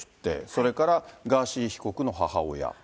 それから、ガーシー被告の母親。